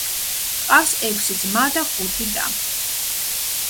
ჰყავს ექვსი ძმა და ხუთი და.